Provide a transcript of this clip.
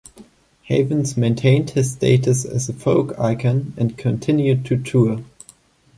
Havens maintained his status as a folk icon and continued to tour.